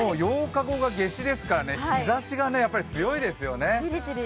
８日後が夏至ですから日ざしが強いですよね。